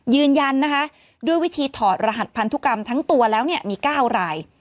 ยืนยันนะคะด้วยวิธีถอดรหัสพันธุกรรมทั้งตัวแล้วมี๙ราย